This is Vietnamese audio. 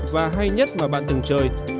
và hay nhất mà bạn từng chơi